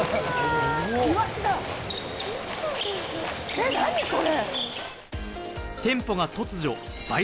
え、何これ？